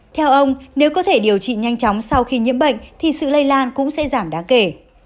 theo ông nếu có thể điều trị nhanh chóng sau khi nhiễm bệnh thì sự lây lan cũng sẽ giảm đáng kể